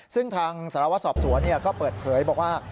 ซึ่งทางสารวัตรสอบสวนก็เปิดเผยบอกว่า